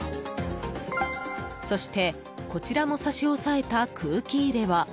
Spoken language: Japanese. そして、こちらも差し押さえた空気入れは